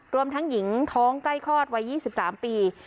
รวมทั้งหญิงท้องใกล้คลอดวัย๒๓ปี